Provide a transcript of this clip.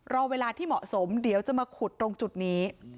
รอเวลาที่เหมาะสมเดี๋ยวจะมาขุดตรงจุดนี้